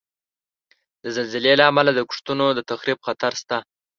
د زلزلې له امله د کښتونو د تخریب خطر شته.